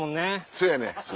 そやねん。